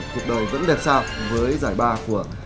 cuộc đời vẫn đẹp sao với giải ba của